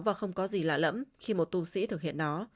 và không có gì lạ lẫm khi một tù sĩ thực hiện nó